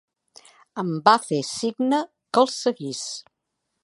Em va fer signe que el seguís.